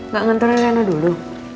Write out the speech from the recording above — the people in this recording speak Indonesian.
gak ngentorin riana dulu